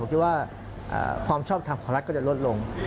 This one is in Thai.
ความชอบทำของรักก็จะลดลง